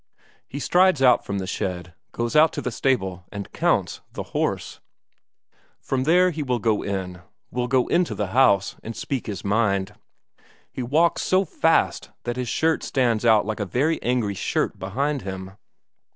He strides out from the shed, goes to the stable and counts the horse; from there he will go in will go into the house and speak his mind. He walks so fast that his shirt stands out like a very angry shirt behind him.